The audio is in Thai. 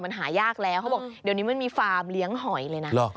มันหายากแล้วเขาบอกเดี๋ยวนี้มันมีฟาร์มเลี้ยงหอยเลยนะ